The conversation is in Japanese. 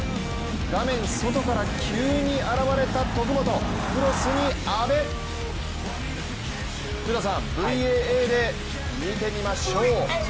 画面外から急に現れた徳元、クロスに安部、福田さん、ＶＡＡで見てみましょう。